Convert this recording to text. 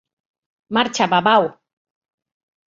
Marxa, babau!